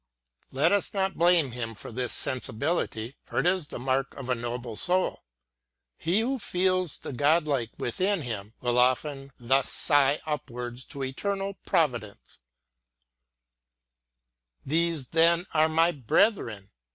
Let us riot blame him for this sensibility, — it is the mark of a noble soul : he who feels the godlike within him, will often thus sigh upwards to eternal Providence :' These then are my brethren